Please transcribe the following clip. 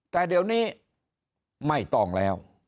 แต่เดี๋ยวนี้ไม่ต้องแล้ว